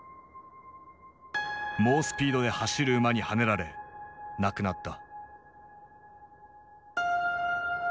猛スピードで走る馬にはねられ亡くなった。